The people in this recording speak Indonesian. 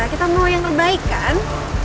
kita mau yang terbaik kan